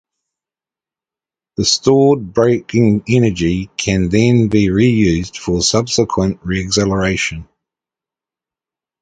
The stored braking energy can then be re-used for subsequent re-acceleration.